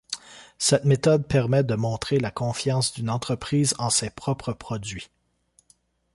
Cette méthode permet de montrer la confiance d'une entreprise en ses propres produits.